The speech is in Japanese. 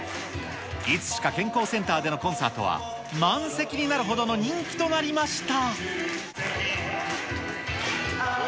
いつしか健康センターでのコンサートは、満席になるほどの人気となりました。